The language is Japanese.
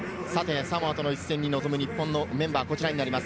サモアとの一戦に臨む、日本のメンバーはこちらになります。